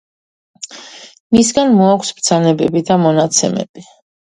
მისგან მოაქვს ბრძანებები და მონაცემები.